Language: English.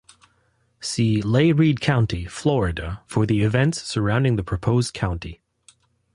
See Leigh Read County, Florida for the events surrounding the proposed county.